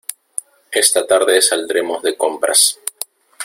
Esta tarde saldremos de compras.